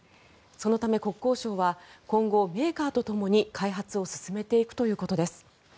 そのため国交省は今後、メーカーとともに開発を進めていくということです。